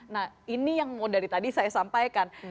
nah ini yang mau dari tadi saya sampaikan